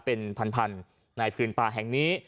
เป็นพันในพื้นป่าแห่งนี้